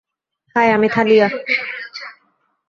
High, আমি থালিয়া!